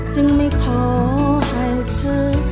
จึงไม่ขอให้เธอ